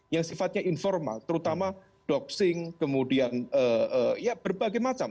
yang sifatnya informal terutama doxing kemudian ya berbagai macam